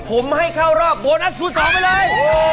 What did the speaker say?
ผมให้เข้ารอบโบนัสคูณ๒ไปเลย